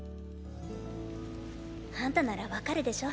あんたなら分かるでしょ？